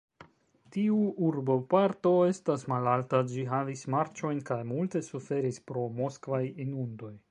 Tiu urboparto estas malalta; ĝi havis marĉojn kaj multe suferis pro moskvaj inundoj.